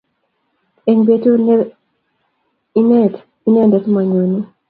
Eng betut ne len inendet manyonei